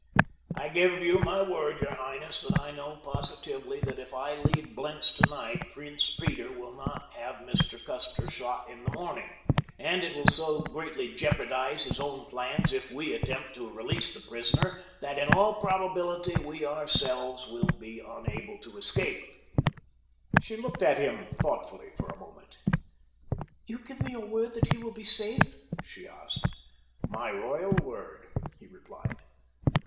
"I give you my word, your highness, that I know positively that if I leave Blentz tonight Prince Peter will not have Mr. Custer shot in the morning, and it will so greatly jeopardize his own plans if we attempt to release the prisoner that in all probability we ourselves will be unable to escape." She looked at him thoughtfully for a moment. "You give me your word that he will be safe?" she asked. "My royal word," he replied.